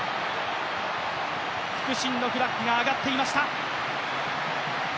副審のフラッグが上がっていました。